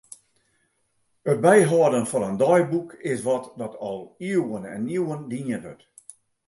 It byhâlden fan in deiboek is wat dat al iuwen en iuwen dien wurdt.